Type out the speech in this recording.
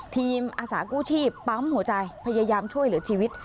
อาสากู้ชีพปั๊มหัวใจพยายามช่วยเหลือชีวิต